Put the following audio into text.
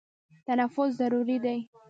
تنفس ضروري دی.